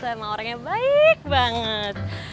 emang orangnya baik banget